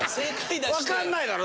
わかんないだろ？